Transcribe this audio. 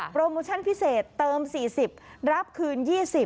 โมชั่นพิเศษเติม๔๐รับคืน๒๐